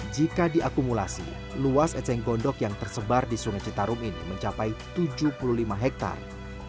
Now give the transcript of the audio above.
jika diakumulasi luas eceng gondok yang tersebar di sungai citarum ini mencapai tujuh puluh lima hektare